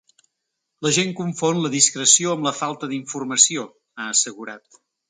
La gent confon la discreció amb la falta d’informació, ha assegurat.